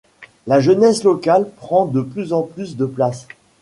La jeunesse locale prend de plus en plus de place.